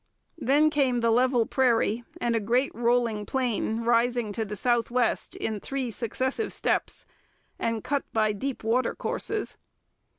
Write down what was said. Then came the level prairie and a great rolling plain rising to the south west in three successive steppes, and cut by deep watercourses.